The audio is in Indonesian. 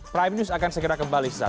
prime news akan segera kembali saat lagi